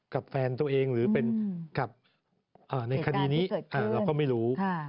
กับแฟนตัวเองหรือเป็นกับในคดีนี้เราก็ไม่รู้